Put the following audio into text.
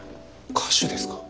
歌手ですか。